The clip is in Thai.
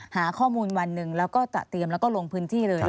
หาข้อมูลวันหนึ่งแล้วก็จะเตรียมแล้วก็ลงพื้นที่เลย